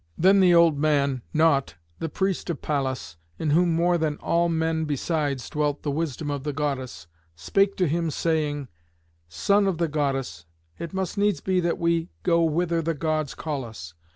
Then the old man, Nautes, the priest of Pallas, in whom more than in all men besides dwelt the wisdom of the goddess, spake to him, saying, "Son of the goddess, it must needs be that we go whither the Gods call us.